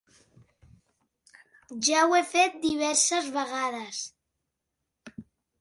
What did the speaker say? Ja ho ha fet diverses vegades.